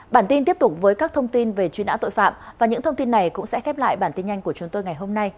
bản tin tiếp tục với các thông tin về truy nã tội phạm và những thông tin này cũng sẽ khép lại bản tin nhanh của chúng tôi ngày hôm nay